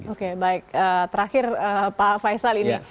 oke baik terakhir pak faisal ini